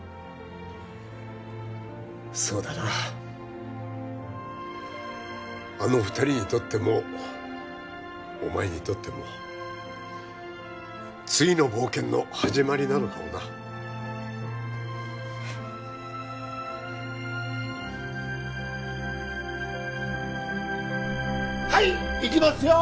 そうだなあの２人にとってもお前にとっても次の冒険の始まりなのかもなはいいきますよ